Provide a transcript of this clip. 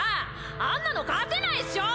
あんなの勝てないっしょー！